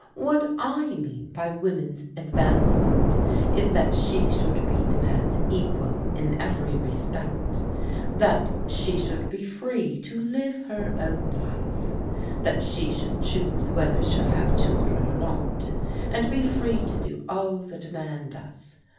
What I mean by woman's advancement is that she should be the man's equal in every respect, that she should be free to live her own life ; that she should choose whether she'll have children or not, and be free to do all that a man does.